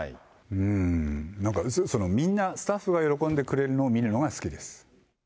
うーん、なんか、みんな、スタッフが喜んでくれるのを見るのが好きです。